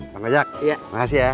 bang ojak makasih ya